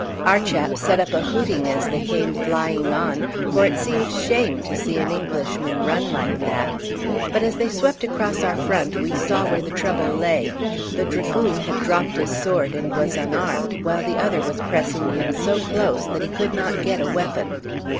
Our chaps set up a hooting as they came flying on, for it seemed shame to see an Englishman run like that; but as they swept across our front we saw where the trouble lay. The dragoon had dropped his sword, and was unarmed, while the other was pressing him so close that he could not get a weapon.